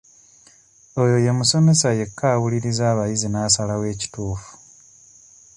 Oyo ye musomesa yekka awuliriza abayizi n'asalawo ekituufu.